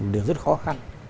điều rất khó khăn